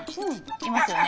いますよね。